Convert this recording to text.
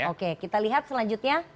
oke kita lihat selanjutnya